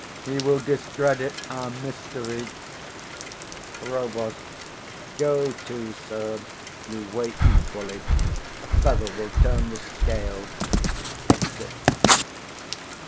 he will discredit our mystery. 25 Prov. Go to, sir; you weigh equally; a feather will turn the scale. [_Exit.